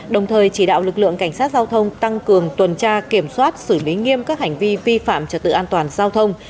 đồng thời chỉ đạo lực lượng cảnh sát giao thông tăng cường tuần tra kiểm soát xử lý nghiêm các hành vi vi phạm trật tự an toàn giao thông